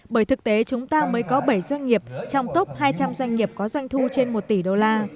bởi thực tế chúng ta mới có bảy doanh nghiệp trong top hai trăm linh doanh nghiệp có doanh thu trên một tỷ đô la